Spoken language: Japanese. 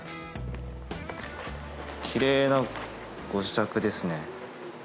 きれいなご自宅ですね。